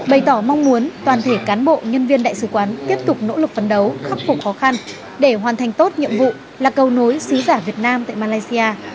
bày tỏ mong muốn toàn thể cán bộ nhân viên đại sứ quán tiếp tục nỗ lực phấn đấu khắc phục khó khăn để hoàn thành tốt nhiệm vụ là cầu nối sứ giả việt nam tại malaysia